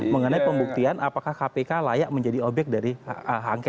mengenai pembuktian apakah kpk layak menjadi obyek dari angket